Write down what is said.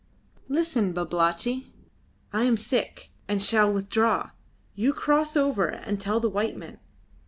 "Listen, Babalatchi: I am sick, and shall withdraw; you cross over and tell the white men."